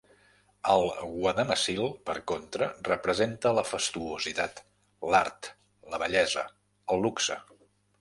El guadamassil per contra representa la fastuositat, l'art, la bellesa, el luxe.